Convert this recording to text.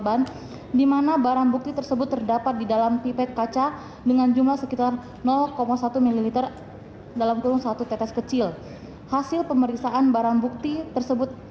dan di atas diselampirkan secara detail pada pemeriksaan ilmu hukum